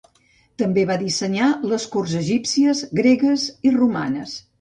També va dissenyar les corts egípcies, gregues i romanes.